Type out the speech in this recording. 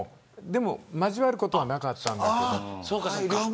でも交わることはなかったんですけれど。